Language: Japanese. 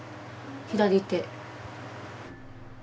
左手。